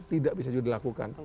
tidak bisa juga dilakukan